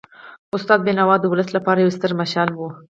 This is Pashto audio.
استاد بینوا د ولس لپاره یو ستر مشعل و.